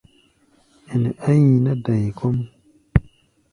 Ɛnɛ á nyina yí-da̧i kɔ́ʼm.